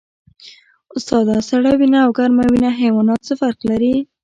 استاده سړه وینه او ګرمه وینه حیوانات څه فرق لري